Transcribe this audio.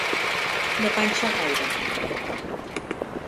De panxa enlaire.